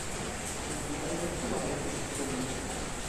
La fondaĵo aktuale estas dormanta.